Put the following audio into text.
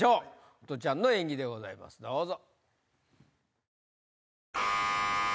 ホトちゃんの演技でございますどうぞ。